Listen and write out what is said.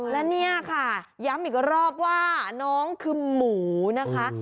และเนี่ยค่ะย้ำอีกรอบว่าน้องคือหมูนะคะ